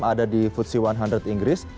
ada di ftse seratus inggris